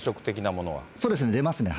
そうですね、出ますね。